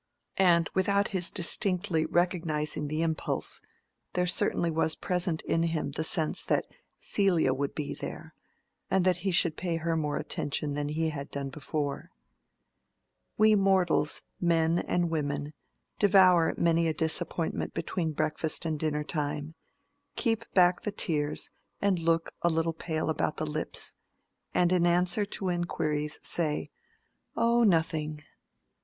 And without his distinctly recognizing the impulse, there certainly was present in him the sense that Celia would be there, and that he should pay her more attention than he had done before. We mortals, men and women, devour many a disappointment between breakfast and dinner time; keep back the tears and look a little pale about the lips, and in answer to inquiries say, "Oh, nothing!"